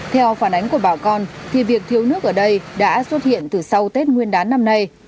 theo phản ánh của bà con thì việc thiếu nước ở đây đã xuất hiện từ sau tết nguyên đán năm nay